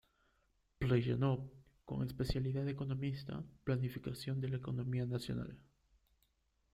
Plejánov con especialidad de economista, planificación de la economía nacional.